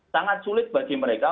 sangat sulit bagi mereka